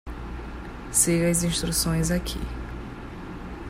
Siga as instruções aqui.